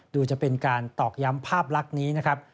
จะเป็นการตอกย้ำภาพลักษณ์นี้นะครับ